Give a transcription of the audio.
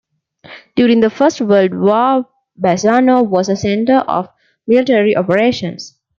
During the First World War Bassano was a centre of military operations.